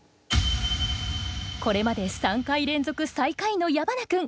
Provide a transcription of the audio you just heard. これまで３回連続最下位の矢花君。